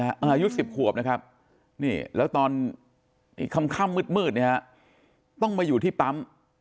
อายุ๑๐ขวบนะครับแล้วตอนคำค่ำมืดต้องมาอยู่ที่ปั๊ม